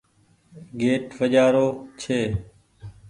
گيٽ وآجرو ڇي۔